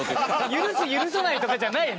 許す許さないとかじゃないよね。